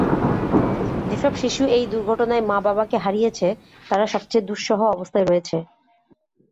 যেসব শিশু এই দুর্ঘটনায় মা বাবাকে হারিয়েছে তারা সবচেয়ে দুঃসহ অবস্থায় রয়েছে।